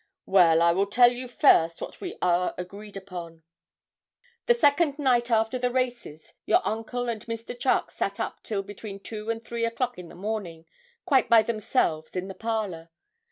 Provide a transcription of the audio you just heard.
'Well, I will tell you first what all are agreed about. The second night after the races, your uncle and Mr. Charke sat up till between two and three o'clock in the morning, quite by themselves, in the parlour.